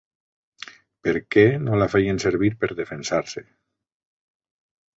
Per què no la feien servir per defensar-se.